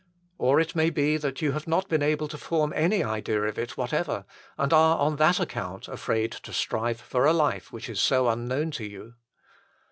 Or it may be that you have not been able to form any idea of it whatever, and are on that account afraid to strive for a life which is so unknown to you.